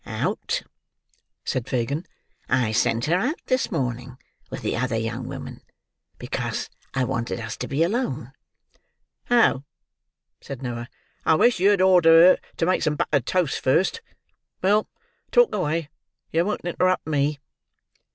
"Out," said Fagin. "I sent her out this morning with the other young woman, because I wanted us to be alone." "Oh!" said Noah. "I wish yer'd ordered her to make some buttered toast first. Well. Talk away. Yer won't interrupt me."